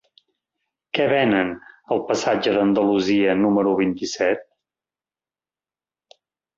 Què venen al passatge d'Andalusia número vint-i-set?